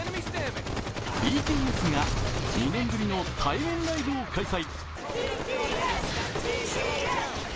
ＢＴＳが２年ぶりの対面ライブを開催。